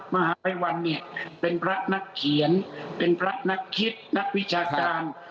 มหาภัยวันเนี่ยเป็นพระนักเขียนเป็นพระนักคิดนักวิชาการ